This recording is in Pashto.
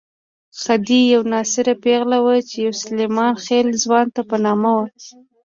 خدۍ یوه ناصره پېغله وه چې يو سلیمان خېل ځوان ته په نامه وه.